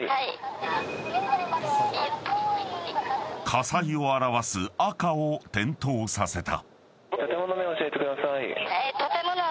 ［火災を表す赤を点灯させた］